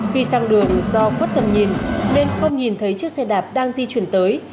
khi sang đường do khuất tầm nhìn nên không nhìn thấy chiếc xe đạp đang di chuyển tới